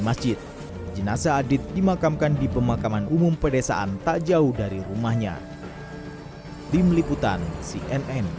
masjid jenazah adit dimakamkan di pemakaman umum pedesaan tak jauh dari rumahnya di meliputan cnn